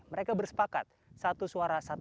mereka bersepakat satu suara satu